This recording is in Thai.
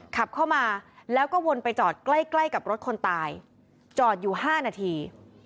ขับเข้ามาแล้วก็วนไปจอดใกล้ใกล้กับรถคนตายจอดอยู่๕นาที